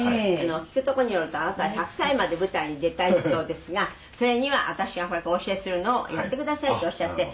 「聞くところによるとあなたは１００歳まで舞台に出たいそうですがそれには私がこれからお教えするのをやってください」っておっしゃって。